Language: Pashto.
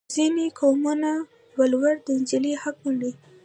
ځینې قومونه ولور د نجلۍ حق ګڼي.